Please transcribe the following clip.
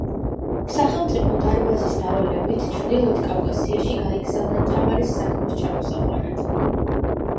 სახელმწიფო დარბაზის დავალებით ჩრდილოეთ კავკასიაში გაიგზავნა თამარის საქმროს ჩამოსაყვანად.